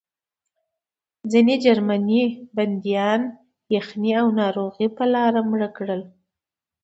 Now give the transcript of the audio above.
ځینې جرمني بندیان یخنۍ او ناروغۍ په لاره مړه کړل